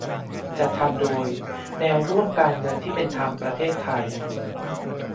จัดทำโดย แนวร่วมการเงินที่เป็นธรรมประเทศไทย